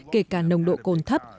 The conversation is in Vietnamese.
kể cả nồng độ cồn thấp